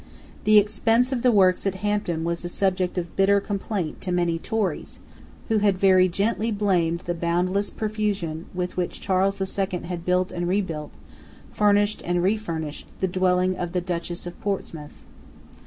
The expense of the works at Hampton was a subject of bitter complaint to many Tories, who had very gently blamed the boundless profusion with which Charles the Second had built and rebuilt, furnished and refurnished, the dwelling of the Duchess of Portsmouth.